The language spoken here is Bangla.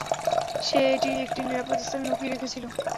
সে এটি একটি নিরাপদ স্থানে লুকিয়ে রেখেছিল।